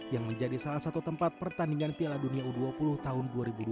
yang menjadi salah satu tempat pertandingan piala dunia u dua puluh tahun dua ribu dua puluh